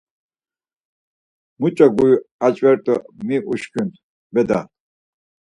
Muç̌o guri aç̌vert̆u mi uşǩun beda!